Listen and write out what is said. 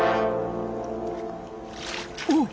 おっ！